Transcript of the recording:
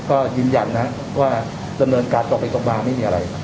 ก็ยืนยันนะว่าดำเนินการต่อไปต่อมาไม่มีอะไร